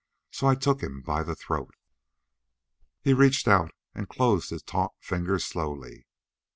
So I took him by the throat." He reached out and closed his taut fingers slowly.